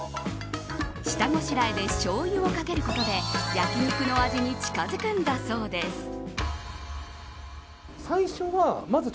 下ごしらえでしょうゆをかけることで焼き肉の味に近づくんだそうです。